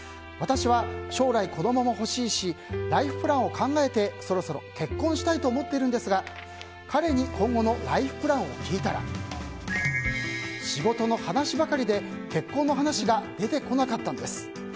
私は将来、子供も欲しいしライフプランを考えてそろそろ結婚したいと思ってるんですが彼に今後のライフプランを聞いたら仕事の話ばかりで結婚の話が出てこなかったんです。